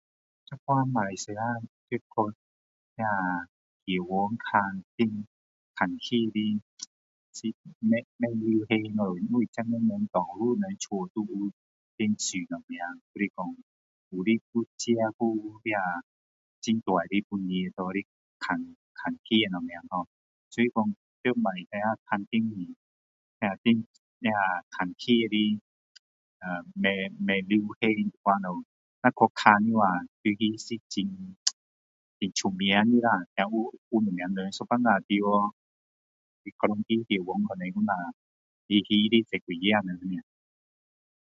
现在马来西亚去戏院看戏的不流行了信息现今人多数人家里都有电视什么还是说有些有很大的房间拿来看戏什么ho所以说在马来西亚看戏的啊不流行了现在若去看的话除非是很出名的啦才会有人进去有时候进去整个医院可能只有西西的几个人而已